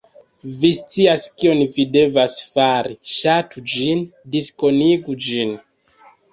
Vi scias kion vi devas fari. Ŝatu ĝin, diskonigu ĝin